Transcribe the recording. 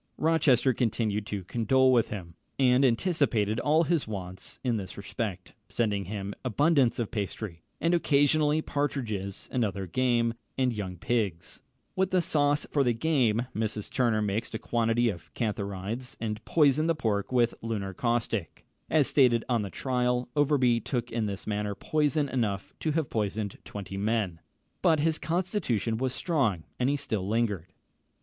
Rochester continued to condole with him, and anticipated all his wants in this respect, sending him abundance of pastry, and occasionally partridges and other game, and young pigs. With the sauce for the game, Mrs. Turner mixed a quantity of cantharides, and poisoned the pork with lunar caustic. As stated on the trial, Overbury took in this manner poison enough to have poisoned twenty men; but his constitution was strong, and he still lingered.